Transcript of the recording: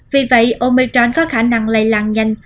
vì vậy omicron có khả năng lây lan nhanh